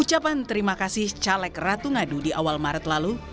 ucapan terima kasih caleg ratu ngadu di awal maret lalu